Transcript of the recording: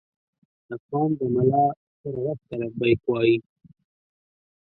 افغان د ملا هر غږ ته لبیک وايي.